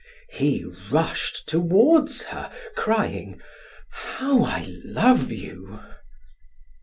He rushed toward her crying: "How I love you!"